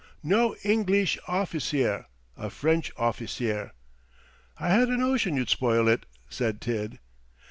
No Engleesh officier a French officier!" "I had a notion you'd spoil it," said Tid.